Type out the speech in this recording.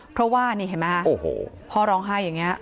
เพราะว่านี่เห็นไหมพ่อร้องไห้อย่างนี้